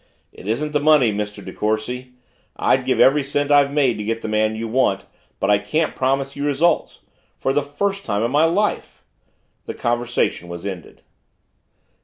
"It isn't the money, Mr. De Courcy I'd give every cent I've made to get the man you want but I can't promise you results for the first time in my life." The conversation was ended.